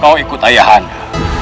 kau ikut ayahanda